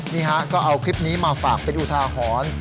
นี่ฮะก็เอาคลิปนี้มาฝากเป็นอุทาหรณ์